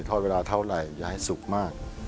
อดเวลาเท่าไหร่อย่าให้สุกมาก